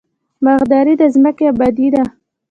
باغداري د ځمکې ابادي ده.